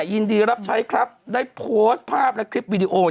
ยินดีรับใช้ครับได้โพสต์ภาพและคลิปวิดีโอ